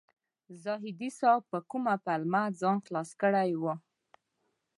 زاهدي صیب په کومه پلمه ځان خلاص کړی و.